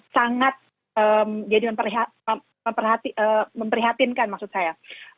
sangat memprihatinkan maksud saya